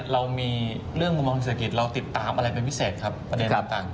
เรามีเรื่องกุมครณฐศกิจเราติดตามอะไรเป็นวิเศษครับ